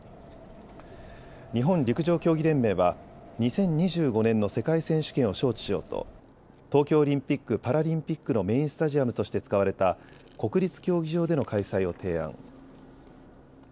日本陸上競技連盟は２０２５年の世界選手権を招致しようと東京オリンピック・パラリンピックのメインスタジアムとして使われた国立競技場での開催を提案。